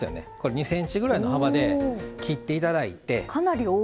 ２ｃｍぐらいの幅で切っていただいて。